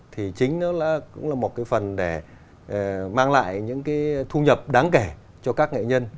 thì chính nó cũng là một cái phần để mang lại những cái thu nhập đáng kể cho các nghệ nhân